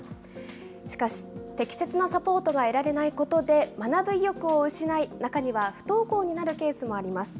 しかし、適切なサポートが得られないことで、学ぶ意欲を失い、中には不登校になるケースもあります。